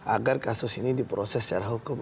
agar kasus ini diproses secara hukum